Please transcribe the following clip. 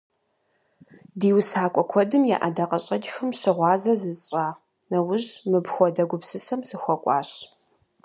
Ди усакӀуэ куэдым я ӀэдакъэщӀэкӀхэм щыгъуазэ зысщӀа нэужь, мыпхуэдэ гупсысэм сыхуэкӀуащ.